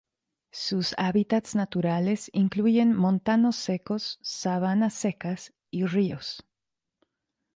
Sus hábitats naturales incluyen montanos secos, sabanas secas y ríos.